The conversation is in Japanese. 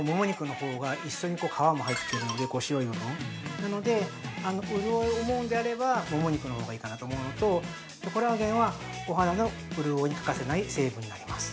なので、うるおいを思うんであればもも肉のほうがいいかなと思うのとコラーゲンはお肌のうるおいに欠かせない成分になります。